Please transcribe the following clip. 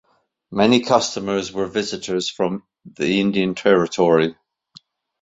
Many customers were visitors from Indian Territory.